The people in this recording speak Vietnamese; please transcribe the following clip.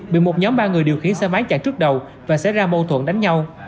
bị một nhóm ba người điều khiển xe máy chạy trước đầu và xảy ra mâu thuẫn đánh nhau